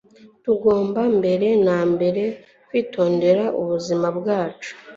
Tugomba mbere na mbere kwitondera ubuzima bwacu.